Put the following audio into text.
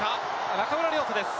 中村亮土です。